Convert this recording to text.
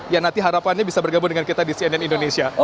yang nanti harapannya bisa bergabung dengan kita di cnn indonesia